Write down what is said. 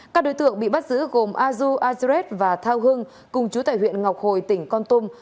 các đối tượng bị bắt giữ gồm azu azred và thao hưng cùng chú tại huyện ngọc hồi tỉnh con tung